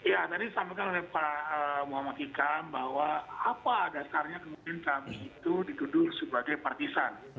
ya tadi disampaikan oleh pak muhammad ikam bahwa apa dasarnya kemudian kami itu dituduh sebagai partisan